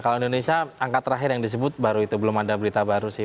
kalau indonesia angka terakhir yang disebut baru itu belum ada berita baru sih